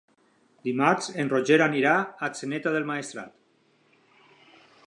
Dimarts en Roger anirà a Atzeneta del Maestrat.